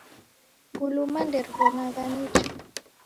Nguluma nderiwonagha nicha